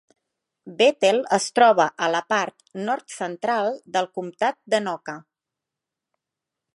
Bethel es troba a la part nord-central del comtat d'Anoka.